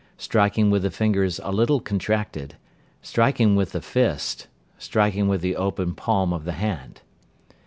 Striking with the fingers a little contracted. Striking with the fist. Striking with the open palm of the hand.